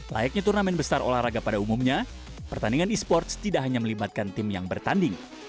layaknya turnamen besar olahraga pada umumnya pertandingan e sports tidak hanya melibatkan tim yang bertanding